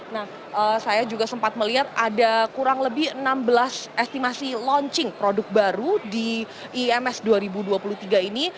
nah saya juga sempat melihat ada kurang lebih enam belas estimasi launching produk baru di ims dua ribu dua puluh tiga ini